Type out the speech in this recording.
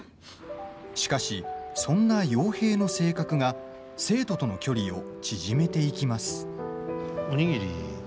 しかし、そんな陽平の性格が生徒との距離を縮めていきます。